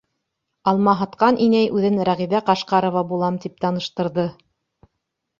Алма һатҡан инәй үҙен Рәғиҙә Ҡашҡарова булам тип таныштырҙы.